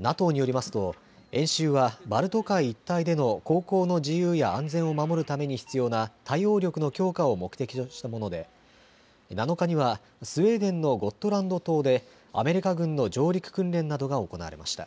ＮＡＴＯによりますと演習はバルト海一帯での航行の自由や安全を守るために必要な対応力の強化を目的としたもので７日にはスウェーデンのゴットランド島でアメリカ軍の上陸訓練などが行われました。